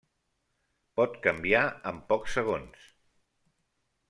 Pot canviar en pocs segons.